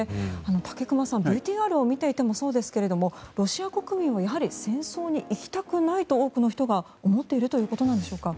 武隈さん、ＶＴＲを見ていてもそうですけどロシア国民はやはり戦争に行きたくないと多くの人が思っているということなんでしょうか。